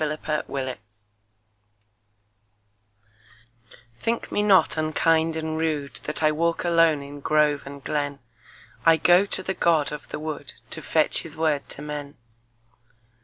The Apology THINK me not unkind and rudeThat I walk alone in grove and glen;I go to the god of the woodTo fetch his word to men.